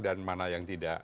dan mana yang tidak